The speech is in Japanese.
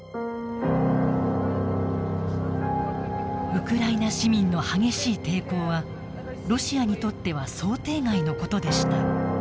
ウクライナ市民の激しい抵抗はロシアにとっては想定外のことでした。